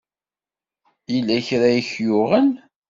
Yella kra ay k-yuɣen?